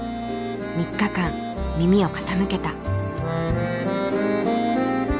３日間耳を傾けた。